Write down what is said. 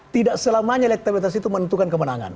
tidak selamanya elektabilitas itu menentukan kemenangan